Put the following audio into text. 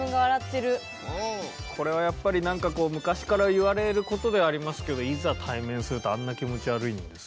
これはやっぱり昔からいわれることではありますけどいざ対面するとあんな気持ち悪いんですねやっぱりね。